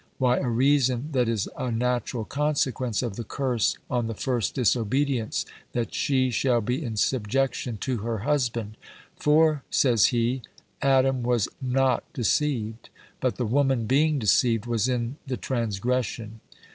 Why, a reason that is a natural consequence of the curse on the first disobedience, that she shall be in subjection to her husband. "For," says he, "Adam was NOT _deceived; but the woman, being deceived, was in the transgression.